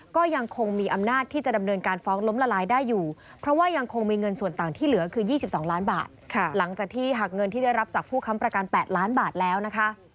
ก็ยังคงมีอำนาจที่จะดำเนินการฟ้องล้มละลายได้อยู่เพราะว่ายังคงมีเงินส่วนต่างที่เหลือคือ๒๒ล้านบาทหลังจากที่หักเงินที่ได้รับจากผู้ค้ำประกัน๘ล้านบาทแล้วนะคะ